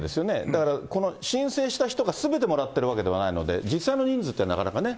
だから、この申請した人がすべてもらってるわけではないので、実際の人数というのはなかなかね。